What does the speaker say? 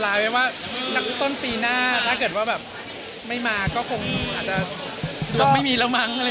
แล้วถ้าต้องมีหน้ามาสุดครับโปรเจ็คจะเป็นอะไรอย่างนี้